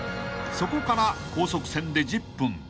［そこから高速船で１０分］